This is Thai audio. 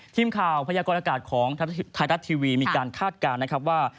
พยากรอากาศของไทยรัฐทีวีมีการคาดการณ์นะครับว่า